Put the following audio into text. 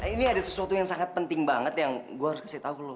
ini ada sesuatu yang sangat penting banget yang gue harus kasih tahu lo